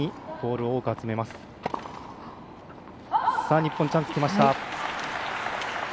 日本、チャンスきました。